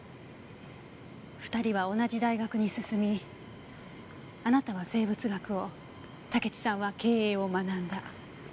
２人は同じ大学に進みあなたは生物学を竹地さんは経営を学んだ。